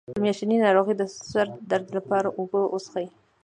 د میاشتنۍ ناروغۍ د سر درد لپاره اوبه وڅښئ